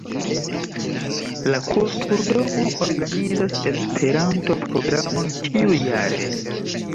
La kulturdomo organizas Esperanto-programon ĉiu-jare.